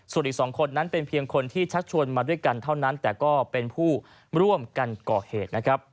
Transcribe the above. ส่วนอีก๒คนนั้นเป็นเพียงคนที่ชักชวนมาด้วยกันเท่านั้นแต่ก็เป็นผู้ร่วมกันก่อเหตุนะครับ